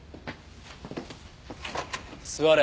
座れ。